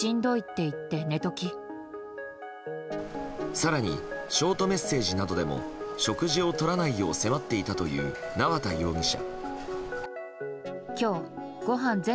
更にショートメッセージなどでも食事をとらないよう迫っていたという縄田容疑者。